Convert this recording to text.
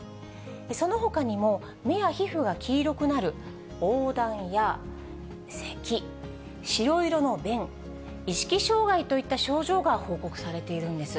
そのほかにも、目や皮膚が黄色くなるおうだんやせき、白色の便、意識障害といった症状が報告されているんです。